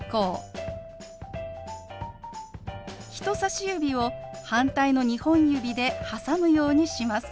人さし指を反対の２本指で挟むようにします。